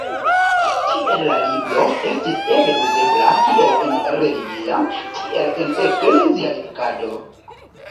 Tiel la libro estis eble uzebla kiel en religia, tiel en eklezia edukado.